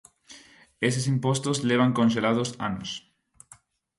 Eses impostos levan conxelados anos.